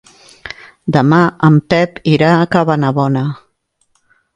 Demà en Pep irà a Cabanabona.